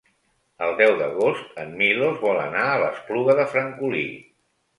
El deu d'agost en Milos vol anar a l'Espluga de Francolí.